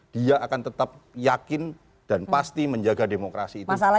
dia akan tetap yakin dan pasti menjaga demokrasi itu tanpa lagi lukai